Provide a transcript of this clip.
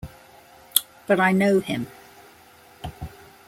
But I know him.